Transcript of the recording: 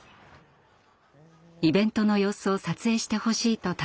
イベントの様子を撮影してほしいと頼まれたのです。